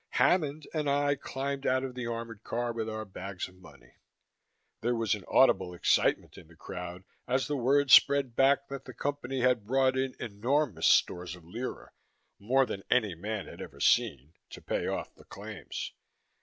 Hammond and I climbed out of the armored car with our bags of money. There was an audible excitement in the crowd as the word spread back that the Company had brought in enormous stores of lire, more than any man had ever seen, to pay off the claims.